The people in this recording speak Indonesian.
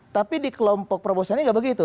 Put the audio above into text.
tapi di kelompok provosannya tidak begitu